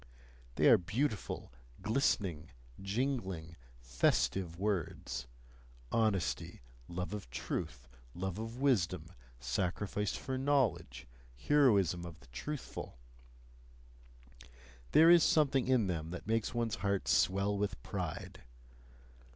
They are beautiful, glistening, jingling, festive words: honesty, love of truth, love of wisdom, sacrifice for knowledge, heroism of the truthful there is something in them that makes one's heart swell with pride.